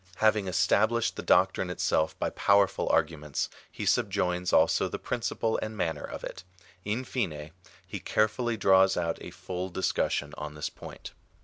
Having established the doctrine itself by powerful arguments, he subjoins also the principle and man ner of it. In fine, he carefully draws out a full discussion of this point.